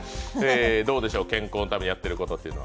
どうでしょう、健康のためにやっていることというのは？